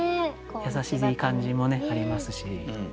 優しい感じもありますし。